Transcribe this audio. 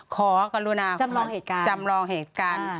ขอการุณาจำลองเหตุการณ์